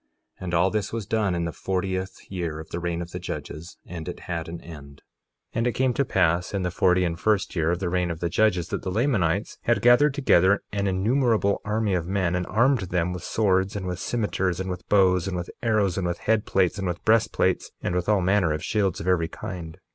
And all this was done in the fortieth year of the reign of the judges; and it had an end. 1:14 And it came to pass in the forty and first year of the reign of the judges, that the Lamanites had gathered together an innumerable army of men, and armed them with swords, and with cimeters and with bows, and with arrows, and with head plates, and with breastplates, and with all manner of shields of every kind.